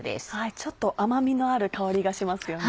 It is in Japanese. ちょっと甘みのある香りがしますよね。